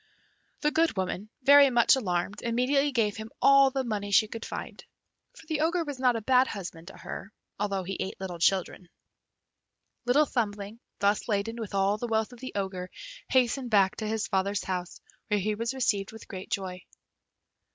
The good woman, very much alarmed, immediately gave him all the money she could find, for the Ogre was not a bad husband to her, although he ate little children. Little Thumbling, thus laden with all the wealth of the Ogre, hastened back to his father's house, where he was received with great joy.